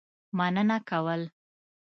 مننه کول.